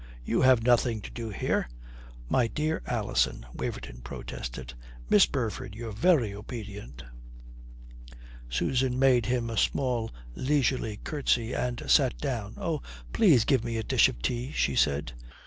You have nothing to do here." "My dear Alison!" Waverton protested. "Miss Burford, your very obedient." Susan made him a small leisurely curtsy and sat down. "Oh, please give me a dish of tea," she said.